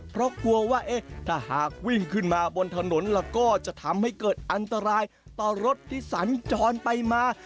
เพราะกลัวว่าถ้าหากวิ่งขึ้นมาบนถนนแล้วก็จะทำให้เกิดอันตรายต่อรถที่สัญจรไปมา